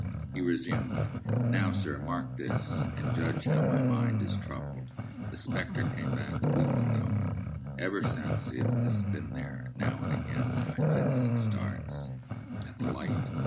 He resumed. "Now, sir, mark this, and judge how my mind is troubled. The spectre came back a week ago. Ever since, it has been there, now and again, by fits and starts." "At the light?"